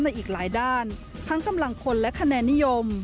อีกหลายด้านทั้งกำลังคนและคะแนนนิยม